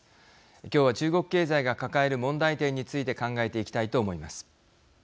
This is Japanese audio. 今日は中国経済が抱える問題点について考えていきたいと思います。